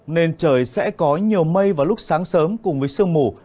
nên trời sẽ có nhiều mây vào lúc sáng sớm cùng với sương mù